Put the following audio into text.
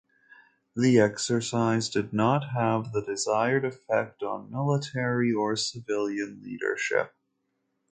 The exercise did not have the desired effect on military or civilian leadership.